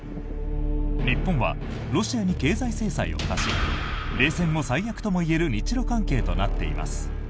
日本はロシアに経済制裁を科し冷戦後最悪ともいえる日ロ関係となっています。